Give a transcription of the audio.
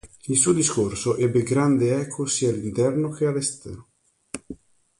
Il suo discorso ebbe grande eco sia all'interno che all'estero.